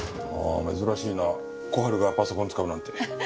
ああ珍しいな小春がパソコンを使うなんて。